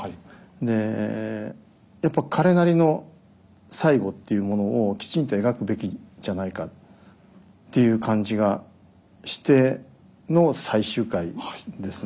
でやっぱ彼なりの最期っていうものをきちんと描くべきじゃないかっていう感じがしての最終回ですね。